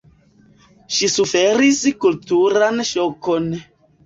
Ŝi suferis kulturan ŝokon.